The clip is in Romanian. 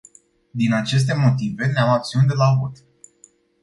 Din aceste motive ne-am abținut de la vot.